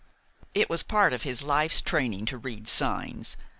It was part of his life's training to read signs.